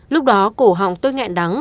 lúc đó cổ họng tôi ngẹn đắng